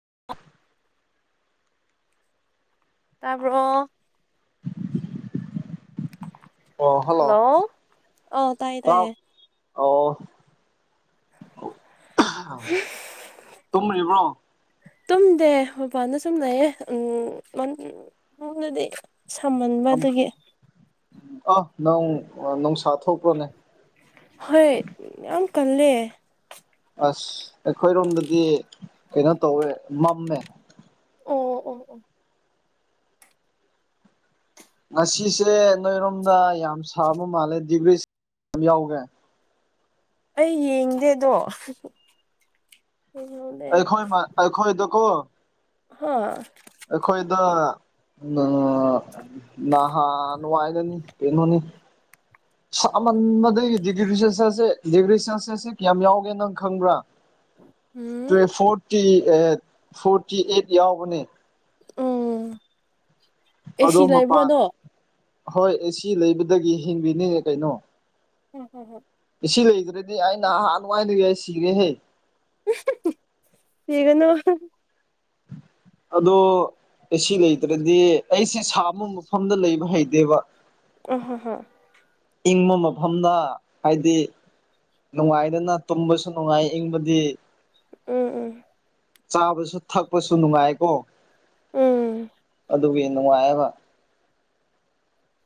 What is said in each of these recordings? [unintelligible] ꯇꯥꯔꯕ ꯑꯣ ꯍꯜꯂꯣ ꯑꯧ ꯇꯥꯏꯌꯦ ꯇꯥ ꯇꯥꯏꯌꯦ ꯑꯣ ꯇꯨꯝꯔꯤꯕ꯭ꯔꯣ ꯇꯨꯝꯗꯦ ꯕꯥꯅ ꯁꯨꯝꯅꯌꯦ ꯎꯝꯅꯗꯤ ꯁꯝꯍꯟꯕ ꯀꯝ ꯑꯗꯨꯒꯤ ꯑ ꯅꯧ ꯅꯧ ꯁꯥ ꯍꯣꯏ ꯌꯥꯝ ꯀꯜꯂꯦ ꯑꯁ ꯑꯩꯈꯣꯏꯔꯣꯝꯗꯗꯤ ꯀꯩꯅꯣ ꯇꯧꯋꯦ ꯃꯝꯃꯦ ꯑꯣ ꯑꯣ ꯑꯣ ꯉꯁꯤꯁꯦ ꯅꯣꯏꯔꯣꯝꯗ ꯌꯥꯝ ꯁꯥꯕ ꯃꯥꯜꯂꯦ ꯗꯤꯒ꯭ꯔꯤ ꯌꯥꯝ ꯌꯥꯎꯒꯦ ꯑꯩ ꯌꯦꯡꯗꯦꯗꯣ ꯌꯦꯡꯍꯧꯗꯦ ꯑꯩꯈꯣꯏꯣꯏ ꯃꯥ ꯑꯩꯈꯣꯏꯣꯏꯗꯀꯣ ꯍ ꯑꯩꯈꯣꯏꯗ ꯎ ꯎꯝ ꯅꯍꯥ ꯅꯅꯨꯡꯉꯥꯏꯗꯅꯤ ꯀꯩꯅꯣꯅꯤ ꯆꯃꯟꯕꯗꯒꯤ ꯗꯤꯒ꯭ꯔꯤ ꯁꯦꯜꯁꯤꯌꯁꯁꯦ ꯗꯤꯒ꯭ꯔꯤ ꯁꯦꯜꯁꯤꯌꯁꯁꯦ ꯀꯌꯥꯝ ꯌꯥꯎꯒꯦꯅ ꯅꯪ ꯈꯪꯕ꯭ꯔꯥ two um forty forty eight ꯌꯥꯎꯕꯅꯦ ꯎꯝ ꯑꯗꯣ ꯑꯦꯁꯤ ꯂꯩꯕ꯭ꯔꯣ ꯃꯄꯥꯟ ꯗꯣ [inaudible] ꯍꯣꯏ ꯑꯦ ꯁꯤ ꯂꯩꯕꯗꯒꯤ ꯍꯤꯡꯕꯤꯅꯤ ꯀꯩꯅꯣ ꯍꯝ ꯍꯝ ꯍ ꯁꯤ ꯂꯩꯗ꯭ꯔꯗꯤ ꯑꯩ ꯅꯍꯥꯟ ꯅꯨꯡꯉꯥꯏꯗ ꯑꯩ ꯁꯤꯔꯦꯍꯦ ꯊꯤꯒꯅꯣ ꯑꯗꯣ ꯑꯁꯤ ꯂꯩꯇ꯭ꯔꯗꯤ ꯑꯩꯁꯦ ꯁꯥ ꯑꯃ ꯃꯐꯝꯗ ꯂꯩꯕ ꯍꯩꯇꯦꯕ [unintelligible] ꯏꯪꯕ ꯃꯐꯝꯅ ꯍꯥꯏꯗꯤ ꯅꯨꯡꯉꯥꯏꯗꯅ ꯇꯨꯝꯕꯁꯨ ꯅꯨꯡꯉꯥꯏ ꯏꯪꯕꯗꯤ ꯎꯝ ꯎꯝ ꯆꯥꯕꯁꯨ ꯊꯛꯄꯁꯨ ꯅꯨꯡꯉꯥꯏꯀꯣ ꯎꯝ ꯅꯌꯥꯕ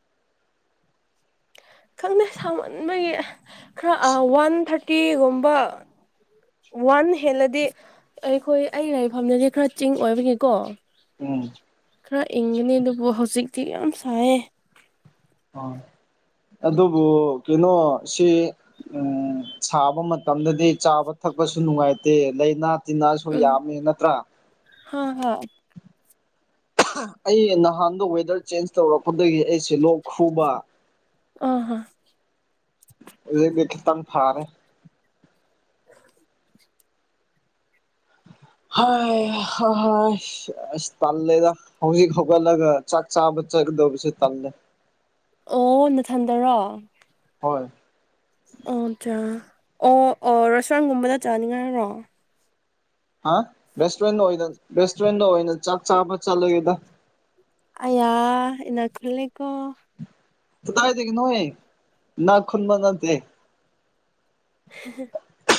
ꯈꯪꯅ ꯁꯥꯡꯃꯟꯕꯒꯤ ꯈꯔ ꯋꯥꯟ ꯊꯥꯔꯇꯤꯒꯨꯝꯕ ꯋꯥꯟ ꯍꯦꯜꯂꯗꯤ ꯑꯩꯈꯣꯏ ꯑꯩ ꯂꯩꯐꯝꯅꯤꯗꯤ ꯈꯔ ꯆꯤꯡ ꯑꯣꯏꯕꯅꯦꯀꯣ ꯎꯝ ꯈꯔ ꯏꯪꯒꯅꯤ ꯑꯗꯨꯕꯨ ꯍꯧꯖꯤꯛꯇꯤ ꯌꯥꯝ ꯁꯥꯏꯌꯦ ꯑ ꯑꯗꯨꯕꯨ ꯀꯩꯅꯣ ꯁꯤ ꯎ ꯁꯥꯕ ꯃꯇꯝꯗꯗꯤ ꯆꯥꯕ ꯊꯛ ꯅꯨꯡꯉꯥꯏꯇꯦ ꯂꯥꯏꯅꯥ ꯇꯤꯟꯅꯥꯁꯨ ꯎꯝ ꯌꯥꯝꯃꯦ ꯅꯠꯇ꯭ꯔꯥ ꯍꯥ ꯍꯥ ꯑꯩ ꯅꯍꯥꯟꯗ ꯋꯦꯗꯔ ꯆꯦꯟꯖ ꯇꯧꯔꯛꯄꯗꯒꯤ ꯑꯩꯁ ꯂꯣꯛ ꯈꯨꯨꯕ ꯑ ꯍꯣ ꯑꯗꯨꯇꯅ ꯐꯥꯔꯦ [inaudible] ꯍꯁ ꯇꯥꯜ ꯂꯩꯗ ꯍꯧꯖꯤꯛ ꯍꯧꯒꯂꯒ ꯆꯥꯛ ꯆꯥꯕ ꯆ ꯗꯣ ꯄꯁꯦ ꯇꯂꯦ ꯑꯣ ꯅꯊꯟꯗꯔꯣ ꯍꯣꯏ ꯑꯣ ꯑꯆꯥꯥ ꯑꯣ ꯑꯣ ꯔꯁꯟꯒꯨꯝꯕꯗ ꯆꯥꯅꯤꯡꯉꯥꯏꯔꯣ ꯍꯥ ꯔꯦꯁꯇꯨꯔꯦꯟ ꯑꯣꯏꯅ ꯔꯦꯁꯇꯨꯔꯦꯟꯗ ꯑꯣꯏꯅ ꯆꯥꯛ ꯆꯥꯕ ꯆꯂꯒꯦꯗ ꯑꯌꯥ ꯈꯜꯂꯦꯀꯣ ꯇꯥꯏ ꯀ ꯅꯦ ꯅꯥ ꯈꯨꯨꯟꯕ ꯅꯠꯇꯦ [inaudible]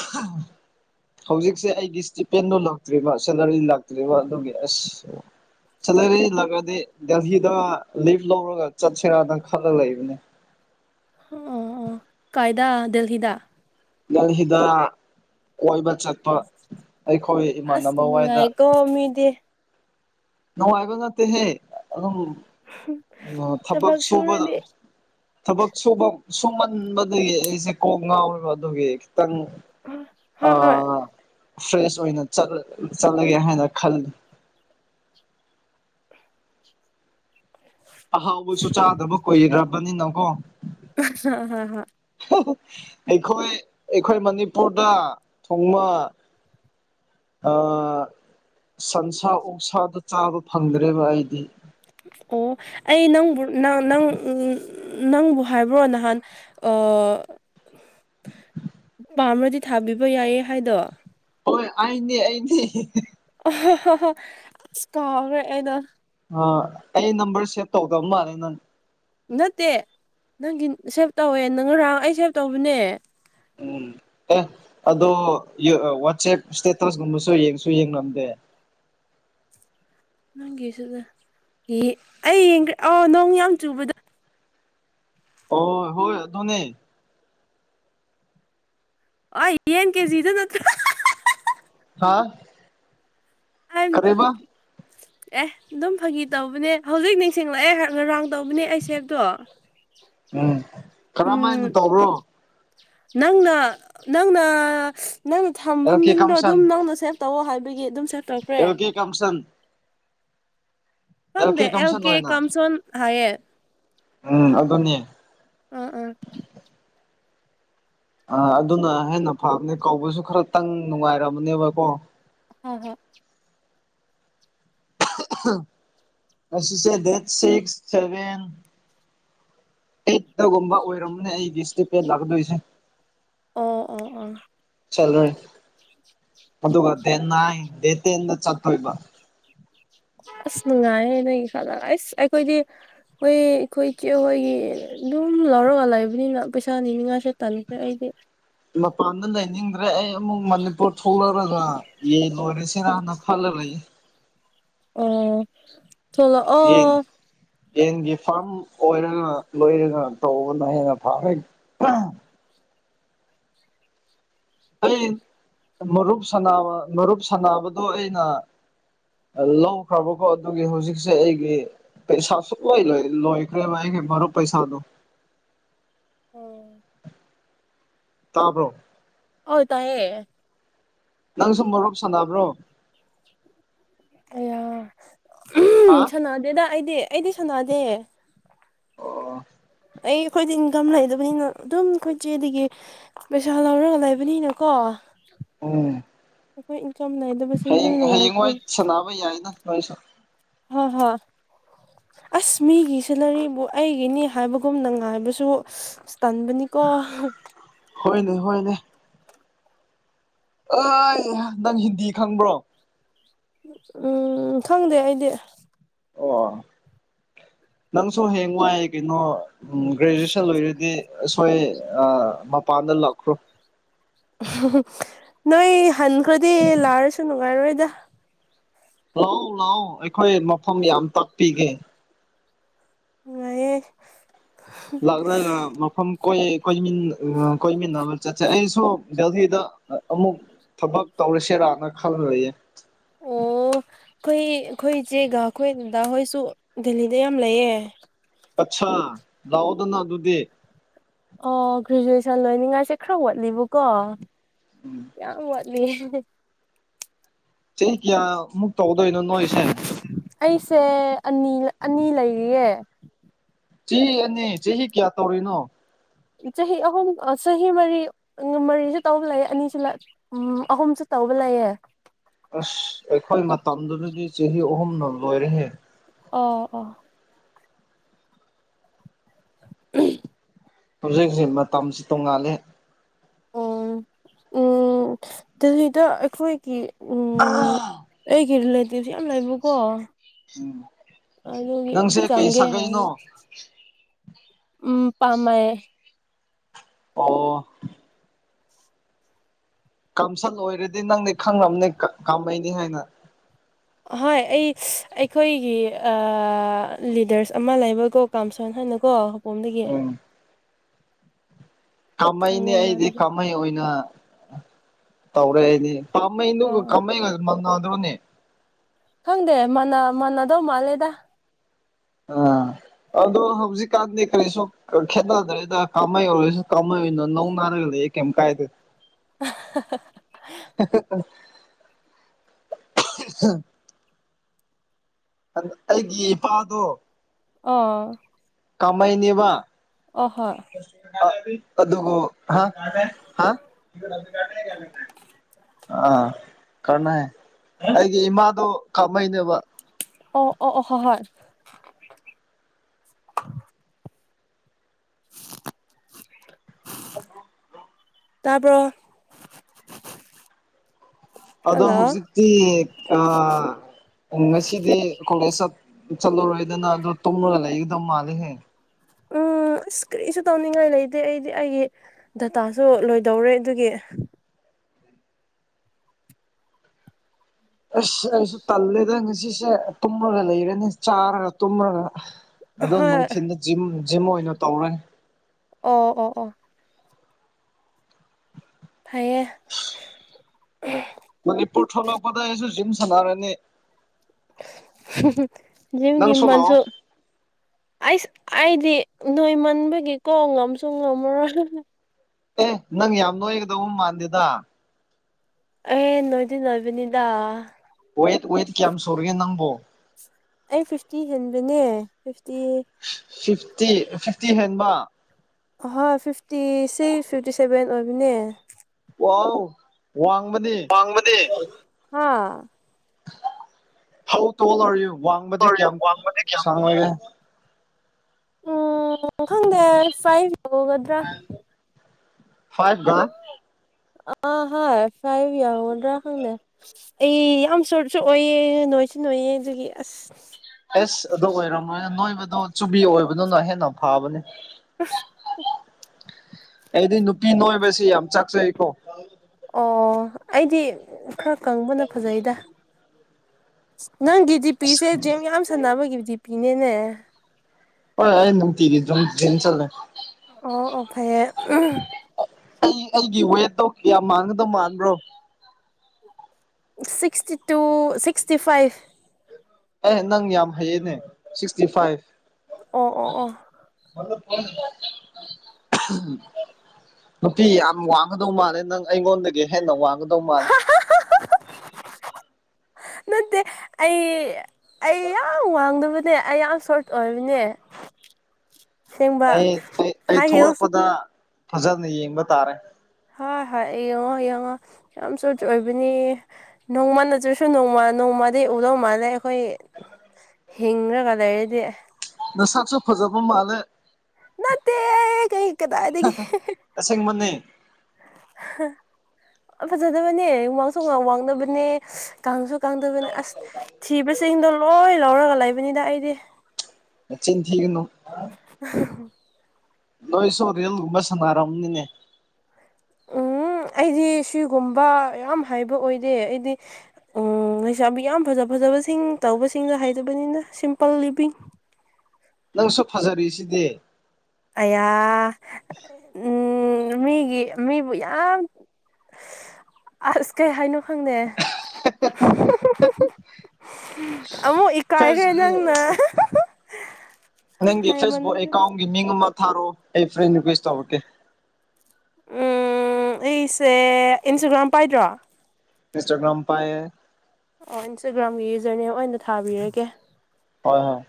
ꯍꯧꯖꯤꯛꯁꯦ ꯑꯩꯒꯤ ꯏꯁꯇꯤꯐꯦꯟꯗꯣ ꯂꯥꯛꯇ꯭ꯔꯤꯕ ꯁꯦꯂꯔꯤ ꯂꯥꯛꯇ꯭ꯔꯤꯕ ꯑꯗꯨꯒꯤ ꯑꯁ ꯆꯠꯂ ꯏꯜꯂꯒꯗꯤ ꯗꯦꯜꯍꯤꯗ ꯂꯤꯚ ꯂꯧꯔꯒ ꯆꯠꯁꯦꯔꯥꯅ ꯈꯜꯂꯒ ꯂꯩꯕꯅꯦ [unintelligible] ꯑꯣ ꯑꯣ ꯀꯥꯏꯗꯥ ꯗꯦꯦꯜꯍꯤꯗ ꯌꯥ ꯍꯗ ꯀꯣꯏꯕ ꯆꯠꯄ ꯑꯩꯈꯣꯏ ꯑꯁ ꯏꯃꯥꯟꯅꯕ ꯋꯥꯏꯗ ꯅꯨꯡꯉꯥꯏꯀꯣ ꯃꯤꯗꯤ ꯅ ꯍꯥꯏꯒ ꯅꯠꯇꯦ ꯍꯦ ꯑꯗꯨꯝ ꯊꯕꯛ ꯁꯨꯕꯗ ꯊꯕꯛ ꯁꯨꯕ ꯁꯨꯝꯃꯟꯕꯗꯒꯤ ꯑꯩꯁꯦ ꯀꯣꯛ ꯉꯥꯎꯔꯤꯕ ꯑꯗꯨꯒꯤ ꯇꯪ ꯍꯣꯏ ꯍꯣꯏ ꯑꯥ ꯐ꯭ꯔꯦꯁ ꯑꯣꯏꯅ ꯆꯠꯂꯒꯦ ꯍꯥꯏꯅ ꯈꯜꯂꯤ ꯑꯍꯥꯎꯕꯁꯨ ꯆꯥꯗꯕ ꯀꯨꯏꯈ꯭ꯔꯕꯅꯤꯅ ꯀꯣ ꯍ ꯍ ꯍ ꯑꯩꯈꯣꯏ ꯑꯩꯈꯣꯏ ꯃꯅꯤꯄꯨꯔꯗ ꯊꯣꯡꯃ ꯁꯟꯁꯥ ꯑꯣꯛꯁꯥꯗ ꯆꯥꯕ ꯐꯪꯗ꯭ꯔꯦꯕ ꯑꯩꯗꯤ ꯑꯣ ꯑꯩ ꯅꯪꯕꯨꯪ ꯅꯪ ꯅꯪꯕꯨ ꯍꯥꯏꯕ꯭ꯔꯣ ꯅꯍꯥꯟ ꯑ ꯎꯝ ꯄꯥꯝ꯭ꯔꯗꯤ ꯊꯥꯕꯤꯕ ꯌꯥꯏꯌꯦ ꯍꯥꯏꯗꯣ ꯍꯣꯏ ꯑꯩꯅꯤ ꯑꯩꯅꯦ ꯁ ꯀꯥꯎꯦ ꯑꯅ ꯑ ꯑꯩ ꯅꯝꯕꯔ ꯁꯦꯚ ꯇꯧꯗꯕ ꯃꯥꯜꯂꯦ ꯅꯪ ꯅꯠꯇꯦ ꯅꯪꯒꯤ ꯁꯦꯚ ꯇꯧꯋꯦ ꯅꯪ ꯉꯔꯥꯡ ꯑꯩ ꯁꯦꯚ ꯇꯧꯕꯅꯦ ꯎꯝ ꯑꯦ ꯑꯗꯣ ꯋꯥꯆꯦꯞ ꯏꯁꯇꯦꯇꯁꯒꯨꯝꯕꯁꯨ ꯌꯦꯡꯁꯨ ꯌꯦꯡꯉꯝꯗꯦ [unintelligible] ꯅꯪꯒꯤꯁꯤꯗ ꯑꯩ ꯌꯦꯡꯈ꯭ꯔꯦ ꯑꯣ ꯅꯣꯡ ꯌꯥꯝ ꯆꯨꯕꯗ ꯑꯣ ꯍ ꯣꯅꯦ ꯑ ꯌꯦꯟ ꯀꯦꯖꯤ ꯏ ꯅꯠꯇ ꯑꯥ ꯑꯦ ꯑꯗꯨꯝ ꯐꯥꯒꯤ ꯇꯧꯕꯅꯦ ꯍꯧꯖꯤꯛ ꯅꯤꯡꯁꯤꯡꯂꯛꯑꯦ ꯉꯔꯥꯡ ꯇꯧꯕꯅꯦ ꯑꯩ ꯁꯦꯛꯇꯣ ꯀꯔꯝ ꯍꯥꯏꯅ ꯇꯧꯕ꯭ꯔꯣ ꯅꯪꯅ ꯅꯪꯅ ꯅꯪꯅ ꯊꯝꯕ ꯑꯦꯜ ꯀꯦ ꯃꯤꯡꯗꯣ ꯑꯗꯨꯝ ꯅꯪꯅ ꯁꯦꯝꯦ ꯇꯧꯋꯑꯣ ꯍꯥꯏꯕꯒꯤ ꯑꯗꯨꯝ ꯁꯦꯞ ꯇꯧꯈ꯭ꯔꯦ ꯑꯦꯕ ꯀ ꯀꯝꯁꯟ ꯐꯪꯗꯦ ꯑꯦꯜ ꯀꯦ ꯀꯝꯁꯣꯟꯣꯟ ꯍꯌꯦꯦ ꯎꯝ ꯑꯗꯨꯗꯟꯅꯦ ꯎꯝ ꯎꯝ ꯑ ꯑꯗꯨꯅ ꯍꯦꯟꯅ ꯐꯕꯅꯦ ꯀꯧꯕꯁꯨ ꯈꯔꯇꯪ ꯅꯨꯡꯉꯥꯏꯔꯕꯅꯦꯕꯀꯣ ꯍ ꯍ ꯁꯦ ꯗꯦꯠ ꯁꯤꯛꯁ ꯁꯚꯦꯟ ꯍꯇꯒꯨꯝꯕ ꯑꯣꯏꯔꯝꯅꯦ ꯑꯩꯒꯤꯁꯇ ꯄꯦꯜꯂꯥꯛꯀꯗꯣꯏꯁꯦ ꯑꯣ ꯑꯣ ꯑꯣ ꯆꯂ ꯑꯗꯨꯒ ꯗꯦꯟꯟꯅ ꯗꯦ ꯇꯦꯟꯗ ꯆꯠꯇꯣꯏꯕ ꯑꯁ ꯅꯨꯡꯉꯥꯏ ꯅꯒꯤ ꯈꯜꯂ ꯑꯁ ꯑꯩꯈꯣꯏꯗꯤ ꯍꯣꯏ ꯑꯩꯈꯣꯏꯒꯤ ꯍꯣꯏꯒꯤ ꯑꯗꯨꯝ ꯂꯧꯔꯛꯑ ꯂꯩꯕꯅꯤꯅ ꯄꯩꯁꯥ ꯅꯤꯅꯤꯉꯥꯁꯦ ꯇꯟꯗ꯭ꯔꯦ ꯑꯩꯗꯤ ꯃꯄꯥꯟꯗ ꯂꯩꯅꯤꯡꯗ꯭ꯔꯦ ꯑꯩ ꯑꯃꯨꯛ ꯃꯅꯤꯄꯨꯔ ꯊꯣꯛꯂꯛ ꯌꯦ ꯂꯔꯁꯤꯅꯅ ꯐꯜ ꯂꯩ ꯑꯣ ꯆꯂꯣ ꯌꯦꯟ ꯑꯣ ꯌꯦꯟꯒꯤ ꯐꯥꯔꯝ ꯑꯣꯏꯔꯒ ꯂꯣꯏꯔꯒ ꯇꯧꯕꯅ ꯍꯦꯟꯅ ꯐꯔꯦ ꯑꯥ ꯑꯩ ꯃꯔꯨꯞ ꯁ ꯃꯔꯨꯞ ꯁꯅꯕꯗꯨꯣ ꯑꯩꯅ ꯂꯧꯈ꯭ꯔꯕꯀꯣ ꯑꯗꯨꯒꯤ ꯍꯧꯖꯤꯛꯁꯦ ꯑꯩꯒꯤ ꯄꯩꯁꯥ ꯁꯨ ꯀ ꯋꯥꯏ ꯂ ꯂꯣꯍꯤꯈ ꯃꯔꯔ ꯄꯩꯁꯥ ꯑꯗꯨ ꯇꯥꯕ꯭ꯔꯣ ꯍꯥꯎ ꯇ ꯍꯦ ꯅꯪ ꯁꯨꯝ ꯃꯔꯣꯔꯣꯛ ꯁꯥꯟꯅꯕ꯭ꯔꯣ ꯑꯌꯥ ꯍꯥ ꯎ ꯑꯣ ꯁꯥꯟꯅꯗꯦꯗ ꯑꯩꯗꯤ ꯑꯩꯗꯤ ꯁꯥꯟꯅꯗꯦ ꯑꯣ ꯑꯩ ꯑꯩꯈꯣꯏꯗꯤ ꯏꯟꯀꯝ ꯂꯩꯗꯕꯅꯤꯅ ꯑꯗꯨꯝ ꯑꯩꯈꯣꯏꯆꯦꯗꯒꯤ ꯄꯩꯁꯥ ꯂꯧꯔꯒ ꯂꯩꯕꯅꯤꯅꯀꯣ ꯎꯝ ꯏꯟꯀꯝ ꯂꯩꯗꯕꯁꯤꯡꯗꯤ ꯍꯌꯦꯡ ꯅꯨꯡꯉꯥꯏꯇꯦ ꯍꯌꯦꯡꯋꯥꯏ ꯁꯥꯟꯅꯕ ꯌꯥꯏꯅ ꯅꯣꯏꯁꯨ ꯍ ꯍ ꯑꯁ ꯃꯤꯒꯤ ꯁꯤꯅꯔꯤꯕꯨ ꯑꯩꯒꯤꯅꯤ ꯍꯥꯏꯕꯒꯨꯝꯅ ꯉꯥꯏꯕꯁꯨ ꯇꯥꯟꯕꯅꯤ ꯀꯣ ꯍꯣꯏꯅꯦ ꯍꯣꯏꯅꯦ ꯑꯩ ꯅꯪ ꯍꯤꯟꯗꯤ ꯈꯪꯕ꯭ꯔꯣ ꯎꯝ ꯈꯪꯗꯦ ꯑꯩꯗꯤ ꯑꯣ ꯅꯪꯁꯨ ꯍꯌꯦꯡ ꯋꯥꯏ ꯀꯩꯅꯣ ꯒ꯭ꯔꯦꯖꯨꯑꯦꯁꯟ ꯂꯣꯏꯔꯗꯤ ꯑꯁꯣꯏ ꯃꯄꯥꯟ ꯂꯈꯣ ꯅꯣꯏ ꯍꯟꯈ꯭ꯔꯗꯤ ꯂꯥꯛꯔꯁꯨ ꯅꯨꯡꯉꯥꯏꯔꯣꯏꯗ ꯂꯥꯛꯑꯣ ꯂꯥꯛꯑꯣ ꯑꯩꯈꯣꯏ ꯃꯐꯝ ꯌꯥꯝ ꯇꯥꯛꯄꯤꯒꯦ ꯑꯑꯌꯦ ꯂꯥꯛꯗ ꯃꯐꯝ ꯀꯣꯏ ꯣꯏ ꯀꯣꯏ ꯃꯤꯕ ꯆ ꯑꯩꯁꯨꯣꯊꯗ ꯑꯃꯨꯛ ꯊꯕꯛ ꯇꯧꯔꯁꯦꯔꯅ ꯈꯜꯂꯨꯔꯌꯦꯦ ꯑꯣ ꯑꯩꯈꯣꯏ ꯑꯩꯈꯣꯏꯁꯦꯒ ꯑꯩꯈꯣꯏꯗ ꯍꯣꯏꯁꯨ ꯗꯦꯜꯂꯤꯗ ꯌꯥꯝ ꯂꯩꯌꯦ ꯑꯆꯥꯥ ꯂꯑꯣꯗꯅ ꯑꯗꯨꯗꯨꯗꯤ ꯑꯣ ꯒ꯭ꯔꯦꯖꯨꯑꯦꯁꯟ ꯂꯣꯏꯅꯤꯡꯉꯥꯏꯁꯦ ꯈꯔ ꯋꯥꯠꯂꯤꯕꯀꯣ ꯌꯥꯝꯠꯂꯤ [unintelligible] ꯆꯩ ꯀꯌꯥ ꯑꯩꯁꯦ ꯑꯅꯤ ꯑꯅꯤ ꯂꯩꯔꯤꯌꯦ ꯆꯍꯤ ꯑꯅꯤ ꯆꯍꯤ ꯀꯌꯥ ꯇꯧꯔꯤꯅꯣ ꯆꯍꯤ ꯑꯍꯨꯝ ꯆꯍꯤ ꯃꯔꯤ ꯃꯔꯤꯁꯨ ꯇꯧꯕ ꯂꯩ ꯑꯅꯤꯁꯨ ꯎ ꯑꯍꯨꯝꯁꯨ ꯇꯧꯕ ꯂꯑꯦ ꯑꯁ ꯑꯩꯈꯣꯏ ꯃꯇꯝꯗꯨꯗꯗꯤ ꯆꯍꯤ ꯑꯍꯨꯝꯂꯣ ꯂꯣꯏꯔꯦꯍꯦ ꯑꯣ ꯑꯣ ꯍꯧꯖꯤꯛ ꯍꯧꯖꯤꯛ ꯃꯇꯝꯁꯤ ꯇꯣꯡꯉꯥꯂꯦ ꯎꯝ ꯎꯝ ꯑꯗꯨꯗ ꯑꯩꯈꯣꯏꯒꯤ ꯎꯝ ꯑꯩꯒꯤ ꯔꯤꯂꯦꯇꯤꯞꯁ ꯌꯥꯝ ꯂꯩꯕꯀꯣ ꯑꯗꯨꯗ ꯅꯪꯁꯦ ꯀꯩ ꯆꯥꯡꯒꯦ ꯍꯥꯏ ꯁꯥꯒꯩꯅꯣ ꯎꯝ ꯄꯥꯃꯃꯦ ꯑꯣ ꯀꯥꯝꯁꯜ ꯑꯣꯏꯔꯗꯤ ꯅꯪꯗꯤ ꯈꯪꯕꯅꯤ ꯀꯥꯝꯃꯩꯅꯤ ꯍꯥꯏꯅ ꯍꯣꯏ ꯑꯩ ꯑꯩꯈꯣꯏꯒꯤ ꯂꯤꯗꯔꯁ ꯑꯃ ꯂꯩꯕꯀꯣ ꯀꯥꯝꯁꯣꯟ ꯍꯥꯏꯅꯀꯣ ꯍꯄꯣꯝꯗꯒꯤ ꯀꯥꯃꯍꯩꯅꯤ ꯈꯪꯉꯦ ꯑꯩꯗꯤ ꯃꯥꯗꯒꯤ ꯀꯥꯍꯩ ꯑꯣꯏꯅ ꯇꯧꯔꯦ ꯑꯩꯗꯤ ꯀꯃ ꯑꯣ ꯑꯣ ꯀꯃ ꯃꯅꯗꯅꯦ ꯈꯪꯗꯦ ꯃꯅꯥ ꯃꯅꯗꯧ ꯃꯥꯜꯂꯦꯗ ꯑ ꯑꯗꯣ ꯍꯧꯖꯤꯛꯀꯥꯟꯗꯤ ꯀꯔꯤꯁꯨ ꯈꯦꯠꯅꯗ꯭ꯔꯦꯗ ꯀꯥꯍꯩ ꯑꯣꯏꯔꯁꯨ ꯀꯥꯃꯩ ꯑꯣꯏꯅꯣ ꯅꯧ ꯅꯥꯔ ꯂ ꯀꯝ ꯀꯥꯏꯗ ꯑ ꯑꯩꯒꯤ ꯏꯄꯥꯗꯣ ꯑ ꯀꯃꯥꯏꯅꯦꯕ ꯑꯗꯨꯒ ꯍꯥ ꯑꯥ ꯀꯅ ꯑꯩꯒꯤ ꯏꯃꯥꯗꯣ ꯀꯥꯞꯃꯩꯅꯦꯕ ꯑꯣ ꯑꯣ ꯑꯣ ꯍ ꯍꯣꯏ ꯇꯄ ꯑꯗꯣ ꯍꯧꯖꯤꯛꯇꯤ ꯑ ꯎ ꯉꯁꯤꯗꯤ ꯀꯣꯂꯦꯖ ꯆꯠꯂꯨꯔꯣꯏꯗꯅ ꯑꯗꯣ ꯇꯣꯡꯉꯒ ꯂꯩꯒꯗꯧ ꯃꯥꯜꯂꯦ ꯍꯌꯦ ꯎꯝ ꯑꯁ ꯀꯔꯤꯁꯨ ꯇꯧꯅꯤꯡꯉꯥꯏ ꯂꯩꯇꯦ ꯑꯩꯗꯤ ꯑꯩꯒꯤ ꯗꯇꯥꯁꯨ ꯂꯣꯏꯗꯧꯔꯦ ꯑꯗꯨꯒꯤ [inaudible] ꯑꯁ ꯑꯩꯁꯨ ꯇꯜꯂꯦꯗ ꯉꯁꯤꯁꯦ ꯇꯨꯝꯂꯒ ꯂꯩꯔꯅꯦ ꯆꯥꯔꯒ ꯇꯨꯝꯔꯒ ꯑꯗꯣ ꯍꯣꯏ ꯅꯨꯡꯊꯤꯜꯗ ꯖꯤꯝ ꯖꯤꯝ ꯑꯣꯏꯅ ꯇꯧꯔꯦ ꯑꯣ ꯑꯣ ꯑꯣ ꯐꯌꯦ ꯃꯅꯤꯄꯨꯔ ꯊꯣꯛꯂꯛꯄꯗ ꯑꯩꯁꯨ ꯖꯤꯝ ꯁꯥꯟꯅꯔꯅꯤ ꯖꯤꯤꯡꯒꯤ ꯅꯪꯁꯨ ꯂꯥꯛꯑꯣ ꯃꯁꯨꯁꯨ ꯑꯩꯁ ꯑꯩꯗꯤ ꯅꯣꯏꯃꯟꯕꯒꯤꯀꯣ ꯉꯝꯁꯨ ꯉꯝꯃꯔꯣꯏ ꯑꯦ ꯅꯪ ꯌꯥꯝ ꯅꯣꯏꯒꯗꯧꯕ ꯃꯥꯟꯗꯦꯗ ꯑꯦ ꯅꯣꯏꯗꯤ ꯅꯣꯏꯕꯅꯤꯗ ꯑꯣꯏꯌꯦꯠ ꯑꯣꯏꯠ ꯀ ꯁꯔꯒ ꯅꯪꯕꯣ ꯑꯩ ꯐꯤꯐꯇꯤ ꯍꯦꯟꯕꯅꯦ ꯐꯤꯐꯇꯤ ꯐꯤꯐꯇꯤ ꯐꯤꯐꯇꯤ ꯍꯦꯟꯕ ꯑꯍꯣꯏ ꯐꯤꯐꯇꯤꯁꯦ ꯐꯤꯐꯇꯤ ꯁꯦꯚꯦꯟ ꯑꯣꯏꯕꯅꯦ ꯑ ꯋꯥ ꯋꯥꯡꯃꯗꯤ ꯍꯧꯥꯎ ꯇꯣꯂꯔꯨ ꯋꯥꯡꯕꯗꯤ ꯁꯣꯔꯤ ꯀꯌꯥꯝ ꯋꯥꯡꯕꯗꯤ ꯀꯌꯥꯝ ꯁꯥꯡꯉꯣꯏꯒꯦ ꯎꯝ ꯈꯪꯗꯦ ꯐꯥꯏ ꯂꯧꯒꯗ꯭ꯔꯥ ꯐꯥꯏꯚ ꯑ ꯍꯥꯥ ꯐꯥꯏꯕꯤ ꯌꯥ ꯍ ꯈꯪꯗꯦ ꯑꯩ ꯌꯥꯝ ꯁꯣꯔꯁꯨ ꯑꯣꯏꯌꯦ ꯅꯣꯏꯁꯨ ꯅꯣꯏꯌꯦ ꯑꯗꯨꯒꯤ ꯑꯁ ꯑꯦꯁ ꯑꯗꯨ ꯑꯣꯏꯔꯝꯃꯣꯏꯅ ꯅꯣꯏꯕꯗꯣ ꯆꯨꯕꯤ ꯑꯣꯏꯕꯗꯨꯅ ꯍꯦꯟꯅ ꯐꯕꯅꯦ ꯑꯩꯗꯤ ꯅꯨꯄꯤ ꯅꯣꯏꯕꯁꯤ ꯌꯥꯝ ꯆꯥꯛꯆꯩꯀꯣ ꯑꯣ ꯑꯩꯗꯤ ꯈꯔ ꯀꯪꯕꯅ ꯐꯖꯩꯗ ꯅꯪꯒꯤ ꯑꯁ ꯖꯤꯄꯤꯁꯦ ꯖꯦꯝ ꯌꯥꯝ ꯁꯥꯟꯅꯕꯒꯤ ꯖꯤꯄꯤꯅꯦꯅꯦ ꯍ ꯅꯅꯨꯡ ꯆꯜꯂꯦ ꯑꯣ ꯑꯣ ꯐꯦ ꯑꯩ ꯑꯩꯒꯤ ꯋꯦꯠꯇꯣ ꯀꯌꯥꯝ ꯃꯥꯡꯒꯗꯕ ꯃꯥꯟꯕ꯭ꯔꯣ ꯁꯤꯛꯁꯇꯤ ꯇꯨ ꯁꯤꯛꯁꯇꯤ ꯐꯥꯏꯚ ꯑꯦ ꯅꯪ ꯌꯥꯝ ꯍꯩꯌꯦꯅꯦ ꯁꯤꯛꯁꯇꯤ ꯐꯥꯏꯚ ꯑꯣ ꯑꯣ ꯑꯣ [inaudible] ꯅꯨꯄꯤꯤ ꯌꯥꯝ ꯋꯥꯡꯒꯗꯧ ꯃꯥꯜꯂꯦ ꯅꯪ ꯑꯩꯉꯣꯟꯗꯒꯤ ꯍꯦꯟꯅ ꯋꯥꯡꯒꯗꯧ ꯃꯥꯜꯂꯦ ꯍ ꯅꯠꯇꯦ ꯑꯩ ꯑꯩ ꯌꯥꯝ ꯋꯥꯡꯗꯕ ꯅ ꯑꯩ ꯌꯥꯝ ꯁꯣꯔꯠ ꯑꯣꯏꯕꯅꯦ ꯑꯁꯦꯡꯕ ꯑꯩ ꯑꯩ ꯍꯥꯏ ꯍꯤꯜꯁ ꯊꯣꯛꯂꯛꯄꯗ ꯐꯖꯅ ꯌꯦꯡꯕ ꯇꯥꯔꯦ ꯍꫭꯏ ꯍꫭꯏ ꯌꯦꯡꯉꯣ ꯌꯦꯡꯉꯣ ꯌꯥꯝ [unintelligible] ꯑꯣꯏꯕꯅꯤ ꯅꯣꯡꯃ ꯅꯠꯇ꯭ꯔꯁꯨ ꯅꯣꯡꯃꯥ ꯅꯣꯡꯃꯗꯤ ꯎꯗꯧ ꯃꯥꯜꯂꯦ ꯑꯩꯈꯣꯏ ꯍꯤꯡꯔꯒ ꯂꯩꯔꯗꯤ ꯅꯁꯥꯛꯁꯨ ꯐꯖꯥꯕ ꯃꯥꯂꯦ ꯅꯠꯇꯦꯍꯦ ꯀꯩ ꯀꯗꯥꯏꯗꯒꯤ ꯑꯁꯦꯡꯕꯅꯦ ꯍꯥ ꯐꯖꯗꯕꯅꯦ ꯋꯥꯡꯁꯨ ꯋꯥ ꯋꯥꯡꯗꯕꯅꯦ ꯀꯥꯡꯁꯨ ꯀꯪꯗꯕꯅꯤ ꯑꯁ ꯊꯤꯕꯁꯤꯡꯗꯣ ꯂꯣꯏ ꯂꯧꯔꯒ ꯂꯩꯕꯅꯤꯗ ꯑꯩꯗꯤ ꯅꯆꯤꯟꯊꯤꯒꯅꯨ [inaudible] ꯅꫭꯏꯁꯨ ꯔꯦꯡ ꯒꯨꯝꯕ ꯁꯥꯟꯅꯥ ꯔꯝꯅꯤꯅꯦ ꯎꯝ [inaudible] ꯑꯩꯗꯤ ꯁꯤꯒꯨꯝꯕ ꯌꯥꯝ ꯍꯩꯕ ꯑꯣꯏꯗꯦ ꯑꯩꯗꯤ ꯎꯝ ꯂꯩꯁꯥꯕꯤ ꯌꯥꯝ ꯐꯖ ꯐꯖꯕ ꯁꯤꯡ ꯇꯧꯕꯁꯤꯅ ꯍꯥꯏꯗꯨꯅꯤꯅ ꯁꯤꯝꯄꯜ ꯂꯤꯚꯡ ꯅꯪꯁꯨ ꯐꯖꯔꯤ ꯁꯤꯗꯤ ꯌꯥ [inaudible] ꯃꯤꯒꯤ ꯃꯤꯕꯨ ꯌꯥꯝ ꯑꯁ ꯀꯩ ꯍꯥꯏꯅꯣ ꯐꯪꯅꯦ ꯑꯃꯨꯛ ꯏꯀꯥꯏꯔꯦ ꯐꯦꯁ ꯅꯪꯅ ꯅꯪꯒꯤ ꯐꯦꯁꯕꯨꯛ ꯍꯥꯏꯃꯟꯕꯁꯦ ꯑꯦꯀꯥꯎꯟꯒꯤ ꯃꯤꯡ ꯃꯛ ꯊꯥꯔꯣ ꯑꯩ ꯐ꯭ꯔꯦꯟ ꯔꯤꯀ꯭ꯋꯦꯁ ꯇꯧꯔꯛꯀꯦ ꯎꯝ ꯑꯩꯁꯦ ꯏꯟꯁꯇꯒ꯭ꯔꯥꯝ ꯄꯥꯏꯗ꯭ꯔꯣ ꯏꯟꯁꯇꯒ꯭ꯔꯝ ꯄꯥꯏꯌꯦ ꯑꯣ ꯏꯟꯁꯇꯥꯒ꯭ꯔꯥꯝꯒꯤ ꯌꯨꯖꯔ ꯅꯦꯝ ꯑꯣꯏꯅ ꯊꯥꯕꯤꯔꯒꯦ ꯍꯣꯏ ꯍꯣꯏ